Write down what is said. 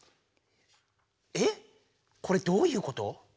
えっこれどういうこと？